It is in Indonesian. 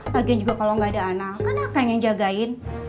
lagian juga kalau nggak ada anak kan anak yang jagain